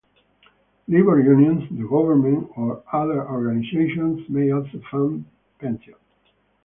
Labor unions, the government, or other organizations may also fund pensions.